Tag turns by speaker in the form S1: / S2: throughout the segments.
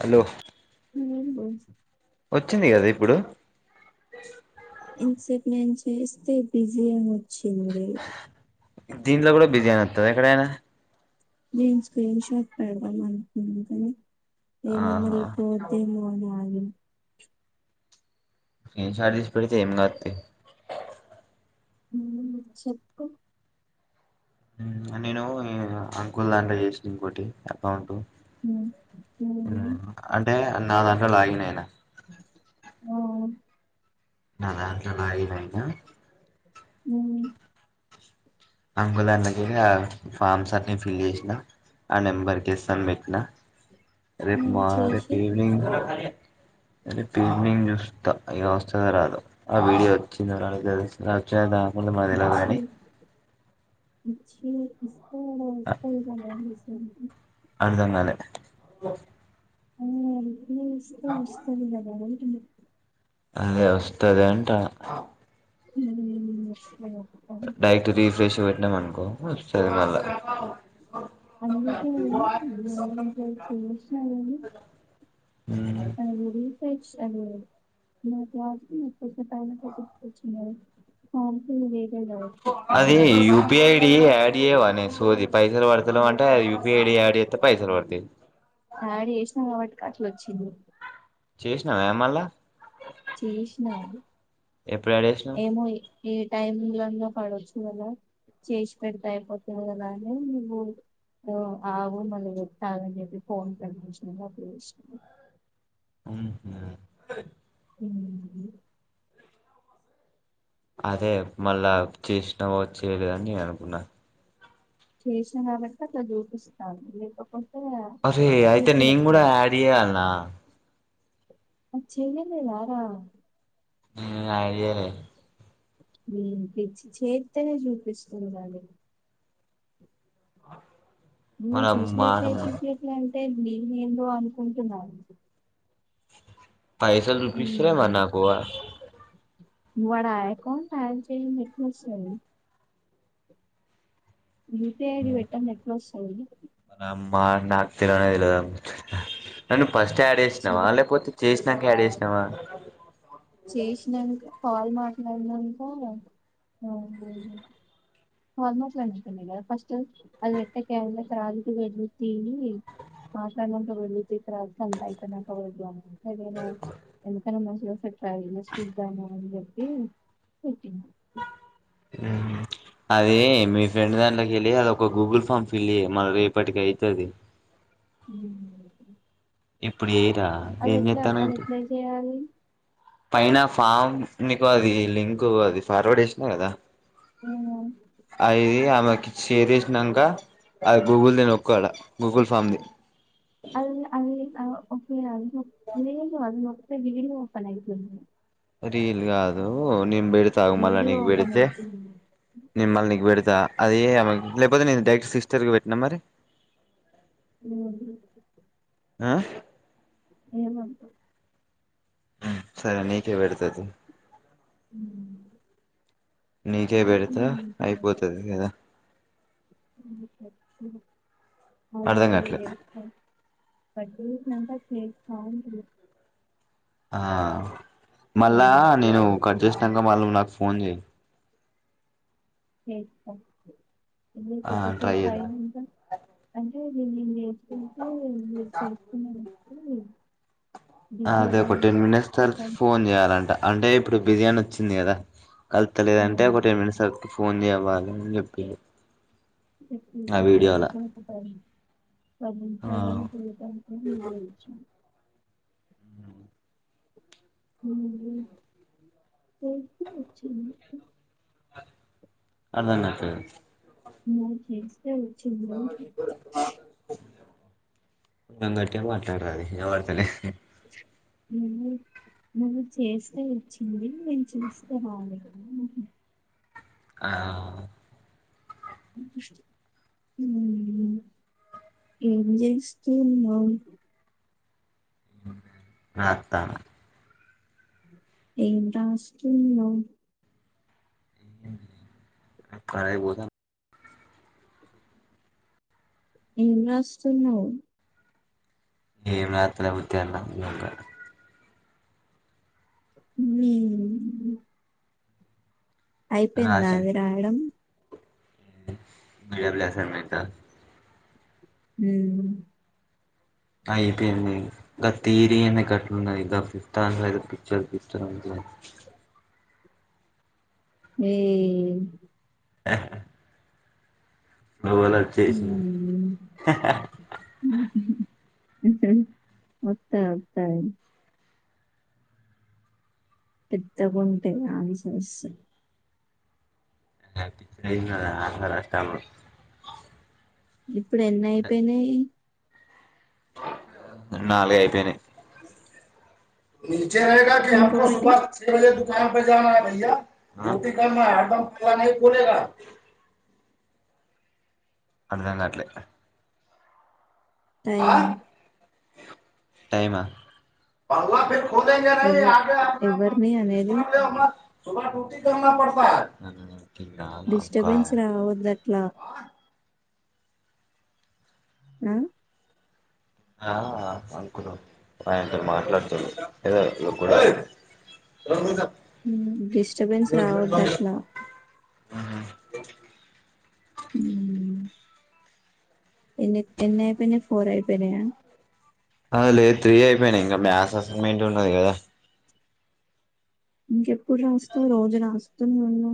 S1: Hello
S2: ఉమ్ ఓ
S1: వచ్చింది కద ఇప్పుడు
S2: ఇంత్సేప్ నేను చేస్తే బిజీ అని వొచ్చింది
S1: దీంట్లో కూడా బిజీ అని వత్తదా ఎక్కడైనా
S2: నేను స్క్రీన్ షాట్ పెడదామనుకుంటూ ఏమో
S1: ఆహా
S2: మళ్ళి పోద్దేమోనా అని
S1: ఏం చార్జెస్ పెడితే ఏం గాద్ తీ
S2: ఊ చెప్పు
S1: ఊ నేను ఈ అంకుల్ దాంట్లో చేసిటి ఇంకోటి అకౌంటు
S2: ఉమ్,
S1: ఉమ్ అంటే అన్ నా దాంట్లో లాగిన్ ఐనా
S2: ఆ
S1: నా దాంట్లో లాగిన్ ఐనా
S2: ఊ
S1: అంగుల్ దాంట్ల గూడ ఫామ్స్ అన్ని ఫిల్ చేసినా ఆ నెంబర్ కి ఎస్ అని బెట్నా రేపు
S2: ఉమ్,
S1: మా రేపు
S2: చేసి
S1: ఈవినింగ్ రేపు ఈవినింగ్ చూస్తా ఇగ వస్తాదో రాదో ఆ వీడియో వచ్చిందా రాదా [unintelligible] ముందు మాకు దెల్వదు గానీ
S2: ఛీ
S1: అర్ధం గాలే
S2: [inaudible] నువ్వొస్తే వస్తది గదా
S1: అదే వస్త్ టదే అంటా
S2: ఊ వర్సగా
S1: నైట్ రీఫ్రెష్ డమనుకో వస్తాలే
S2: [inaudible] [inaudible] చెప్తాను
S1: అది
S2: నేను
S1: U P I D add టియ్యవా నీ సోధి పైసలు పడుతా లేవు అన్ టా U P I D add జేత్తే పైసలు పడతయ్
S2: అట్లొచ్చిన్
S1: చేసినావే మళ్ళ
S2: చేసినా అది
S1: ఎప్పుడు యాడ్ చేసినావు
S2: ఏమో ఏ టైం లోనో పడొచ్చు కదా చేసి పెడితే అయిపోతుంది కదా అని [inaudible] ఆవు మళ్ళీ పెట్టావని చెప్పి ఫోన్ కట్ [inaudible] ఊహూ
S1: అదే మళ్ళ చేసినవో చేయలేదో అని అనుకున్నా
S2: చేసినా కాబట్టే అట్ల జూపిస్తాది [inaudible]
S1: పసి అయితే నేను కూడా యాడ్ చేయాల్నా
S2: చెయ్యలేదా రా
S1: ఊ యాడు జెయ్యలే
S2: ఏం పిచ్చి చేత్తేనే చూపిస్తుంది అది నువ్వు
S1: మన మా
S2: చూపియ్యట్లే చూపియ్యట్లే అన్ తే అండి నేనూ అనుకుంటున్నాను
S1: పైసలు రుపీస్ ర మనకువ
S2: వడ అకౌంట్ హక్కబ్చేకుండా ఎట్ల వస్తది యుూపిఐడి పెట్టా నెట్స్ హలో
S1: అమ్మా నాత్రదిలు అ ఫస్ట్ యాడ్ చేసినావా లేకపోతే చేసినాక్యాడ చేసినావా
S2: చేసినంక కాల్ మాట్లాడినానుక అ మాట్లాడద ఫస్ట్ అది వెట్టకి అ త వెడ్లుత మాట్లాడ వెత త అంతాయిత అ అదే ఎందుక స ట్రావ స్ల్ జదిటి
S1: అ అదే మీ ఫ్రెండ్ దాంట్లోకి వెళ్ళి అది ఒక గూగుల్ ఫామ్ ఫిల్ అయ్య మన రేపటికి అయితుంది
S2: హ
S1: ఇప్పుడు ఏరా ఏంచేతనావ్
S2: అది
S1: ఇప్పుడు
S2: ఎట్లా చేయాలి
S1: పైనా ఫామ్ నీకు అది లింక్ అది ఫార్వర్డ్ చేసినా కదా
S2: మ్
S1: మకి షేర్ చేసినాంక అ గూగుల్ నొక్కాల గూగుల్ ఫామ్ ని
S2: అది అదిఫ దు అ వీడియో ఓపన్ అయితుంది మడి
S1: రియల్ కాదు నిమ్ బీడత ఆగ మల్ళ
S2: వీడియో
S1: నీ
S2: ఓపెన్
S1: బీడితే
S2: అయితుంది.
S1: నిమ్ మల్ న బీడత అది లేకపోతే నేను డైరెక్ట్ సిస్టర్ కి పెట్టినా మరి
S2: ఊహు
S1: ఆ
S2: ఏమంటవ్
S1: మ్ సరే నీకే పెడత చూడు
S2: మ్
S1: నీకే పెడతా అయిపోతాది కదా
S2: మ్ పెట్టు ఆడు
S1: అర్ధం
S2: ఇపుడు
S1: కాట్లే
S2: లేచినాడు పొద్దుగుంకిణాంక సౌండ్
S1: ఆ మళ్ళా
S2: తర్వాత.
S1: నేను కట్ చేసినాంక మళ్ళీ నాకు ఫోన్ చేయి
S2: చేస్తా మళ్ళీ
S1: ఆ ట్రై
S2: కొద్దిసేపు
S1: చేద్దాం
S2: అయినాంక అంటే నేను చేసుకుంటే మీరూ చేస్తున్నారు మ్
S1: అదే ఒక టెన్ మినిట్స్ తర్వాత ఫోన్ చెయ్యాలంట అంటే ఇప్పుడు బిరియాని వచ్చింది కదా కలుస్తాలేదు అంటే ఒక
S2: అవును.
S1: టెన్ మినిట్స్ ఆగు ఫోన్ చేయ్వాలని చెప్పింరు ఆ
S2: [unintelligible] మ్ మ్ పైకి వచ్చాను
S1: అర్థం కావట్లేదు
S2: ఊహు ఇప్పుడే వచ్చింది లే
S1: కొంచెం గట్టిగా మాట్లాడరా రేయ్ వినపడతలేదు
S2: నువ్వు నువ్వు చేస్తే వచ్చింది నేను చేస్తే రాలేదు ఊహు
S1: ఆ
S2: మ్ మ్ ఏం చేస్తున్నావు
S1: రాస్తా
S2: ఏం రా స్తున్నావు
S1: కరై పోతున్నా
S2: ఏం రాస్తున్న వ్
S1: ఏం రాస్తలే వూరికే అన్నా
S2: నీ అయిపోయింద
S1: రాసిన
S2: అది రాయడం
S1: [inaudible]
S2: హుమ్
S1: అయిపోయింది ఆ తీరి ఏంటి గట్ల ఉన్నది ఆ ఫిఫ్త్ ఆన్సర్ పిచ్చిలేస్తుంది
S2: ఏయ్
S1: బాక్ ఇవళ వచ్చేసింది
S2: హ్మ్ హా వస్త వస్తా పెద్దగ ఉంటాయి ఆన్సర్స్
S1: ఏం కాదు రాస్త
S2: ఇప్పుడు ఎన్నయిపోయినాయి
S1: నాలుగ అయిపోయినయి మి
S2: ఇంకొకటి
S1: [inaudible] అ అర్ధం గాట్లె
S2: టైమ్
S1: టైమా [inaudible]
S2: ఎవ ఎవరిని అనేది
S1: [inaudible] ఒక
S2: డిస్టర్బెన్స్ రావొద్దట్లా న
S1: ఆ అంకులు ఆయనతో మాట్లాడుతుండు ఏదో కూడా
S2: డిస్టర్బెన్స్ రావొద్దు అట్ల
S1: అహ
S2: ఉ ఎన్ చెప ఎన్ అయిన ఫోర్ యిపోినయా
S1: అ లేదు త్రీ అయిపోయినయి ఇంకా మ్యాక్స్ అసంగ ఏంటి ఉంటుంది కదా
S2: ఇంకెప్పుడు రాస్తావు రోజు రాస్తునె మళు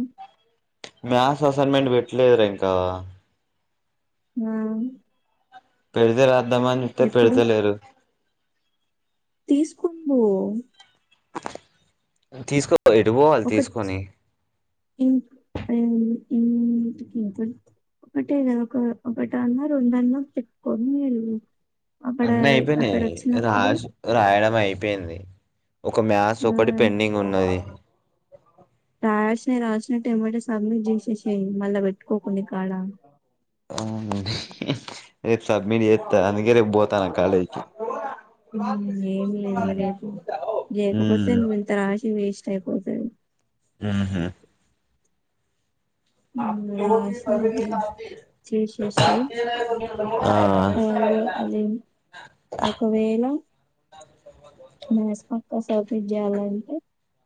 S1: మ్యాక్స్ అసైన్మెంట్ పెట్టలేద్రా ఇంకా
S2: ఆ
S1: పెడితె రా వద్దమనిట్టే
S2: ఎప్పుడు
S1: పెడితెలేరు
S2: తీసుకుంది
S1: తీసుకో ఎటుబోవాలె
S2: ఒక
S1: తీసుకొని
S2: ఇం ఇంటికి ఒకటే ఒక ఒకట అన్న రెండు అన్న చెప్పుకొని మీరు
S1: అన్ని అయిపోయినా రాస్ రాయడం అయిపోయి యింది ఒక మ్యాస్ ఒకటి
S2: ఆ
S1: పెండింగ్ ఉన్నది
S2: టయర్స్ ని రాల్సినట్టు ఏమంటే సబ్మిట్ జీన్సేసేయి మళ్ళా పెట్టుకోకుండా ఇ కాడ
S1: అవునండి రేపు సబ్మిట్ జేత్త అందుకే రేపు పోతాన కాలేజ్ కి
S2: ఏమి లేదుగా రేపు లేకపోతే
S1: ఉమ్
S2: నువ్వు ఇంత రాసి వేసి అయిపోతాది
S1: ఆహా
S2: ఉమ్,
S1: ప్ర
S2: రాసి అది
S1: ప్ర
S2: చేసేసేయ్ అదే అది మస్ పక్క సౌప చేయాలంటే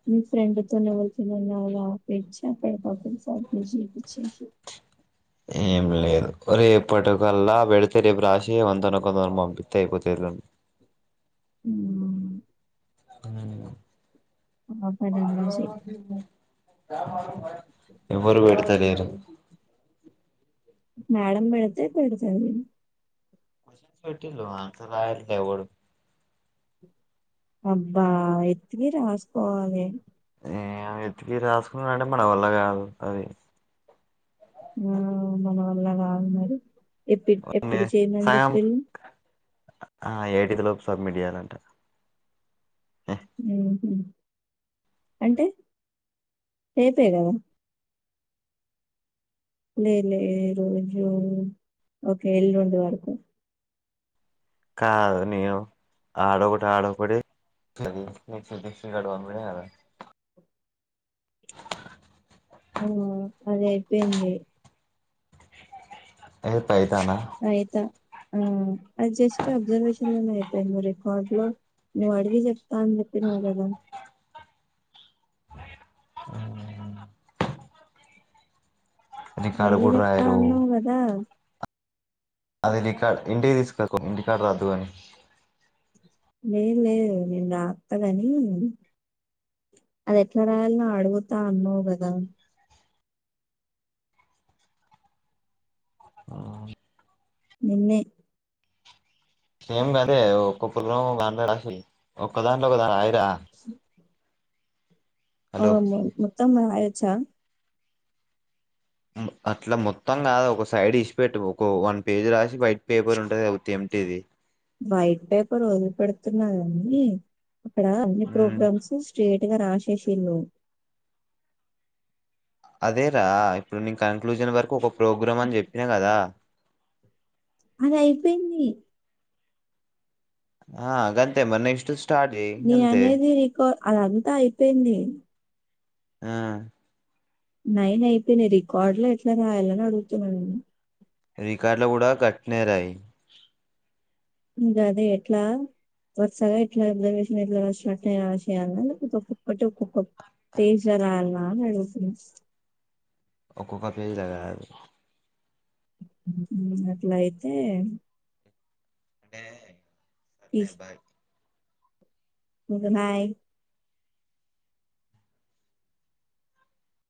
S2: మీ ఫ్రెండ్తోనే ఎవ తినన్న అలా ఆపచి అక్కడ పక్కకి సౌపి చేపించేసి
S1: ఏం లేదు రేపటికల్లా పెడితే రేపు రాసి కొంతన కొందరు పపితే అయిపోతడి
S2: ఉమ్
S1: అంగనే
S2: ఆబ్స్ంట్ అని వేసి
S1: ఎవ్వరు పెడుతలేరు
S2: మ్యాడమ్ పెడతే పెడతాది
S1: కొషన్స్ పెట్టిండ్రు ఆన్సర్ రాయట్లే ఎవరు
S2: అబ్బా ఎత్తికి రాసుకోవాలి
S1: ఎతికి రాసుకున్నాంటే మన వల్ల కాదు అది
S2: ఆ మన వల్ల కాదుమరి ఎప్పుడు ఎప్పుడు చేయందని
S1: సగం
S2: చెప్పారు
S1: ఐదులోపు సబ్మిట్ చేయ్యాలంట
S2: అంటే రేపే కదా లేదు ఈరోజూ ఓకే ఎళ్లుండి వకు
S1: కాదు నేను ఆడ ఒకటి ఆడొకటి [unintelligible]
S2: ఆ అది అయిపోయింది
S1: ఏ పైతానా
S2: అయితా ఆ అది జస్ట్ అబ్జర్వేషన్ లోనే అవుతాయి నువ్వు రికార్డు లో నువ్వు అడిగి చెప్తా అని చెప్పినవ్ కదా
S1: అ రికార్డు
S2: అడిగి
S1: కూడా
S2: చప్తా
S1: రాయరు
S2: అన్నావ్ గదా
S1: అది రికా ఇంటికి తీసుకు పో ఇంటికాడ రాద్దు అని
S2: లే లేదు నేను రాస్తా ని అది ఎట్లా రాయాన్లో అడుగుతా అన్నావు కదా
S1: ఆ
S2: నిన్నే
S1: ఏం కాదే ఒక్కో [unintelligible] రాసేయ్ ఒక్క దాంతోది ఒక రాయద్దు దా
S2: మొత్తం అయచ్చా
S1: అట్లా మొత్తం కాదుా ఒక సైడ్ ఇసిపెట్ ఒక వన్ పేజీ రాసి బయట పేపర్ ఉంట దౌత్యం ది
S2: వైట్ పేపర్ వదిలి పెడుతున్నదండి అక్కడ అన్ని
S1: మ్
S2: ప్రోగ్రామ్స్ స్టేట్ పటగారు ఆశేషలను
S1: అదేరా ఇప్పుడు నీను కన్క్లూజన్ వరకు ఒక ప్రోగ్రాం అని చెప్పినా కదా
S2: అది అయిపోయింది
S1: ఆ అ గంత మొన్న ఇష్ట
S2: న అనేది రికార్ అలా అగుతా అయిపోయింది
S1: ఆ
S2: నైన అయిపోయినాయి రికార్డు లో ఎట్లా రాయాలని అడుగుతున్నా నేను
S1: రికార్డులో కూడా కరెక్ట్ నే రాయి
S2: గదే ఎట్లా వరుసగా ఎట్లా అబ్జర్వేషన్ ఎట్లా రాసినట్లా రాసి ఏయాల లేదా ఒక్కొక్కటి ఒక్కొక్క పేజీల రాయల ఆ మేడం [inaudible]
S1: ఒక్కొక్క పేజీ రాయాలి
S2: ఊ అట్లైతే
S1: అంటే సర్లే
S2: ఇహ్
S1: బాయ్
S2: ఊగున్నాయి